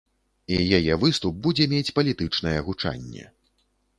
І яе выступ будзе мець палітычнае гучанне.